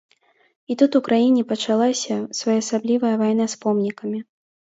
І тут у краіне пачалася своеасаблівая вайна з помнікамі.